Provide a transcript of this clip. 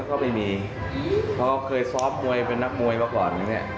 เค้าไม่มีเพราะเค้าเคยซ้อมมวยเป็นนักมวยมาก่อนเนี่ย